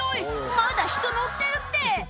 まだ人乗ってるって！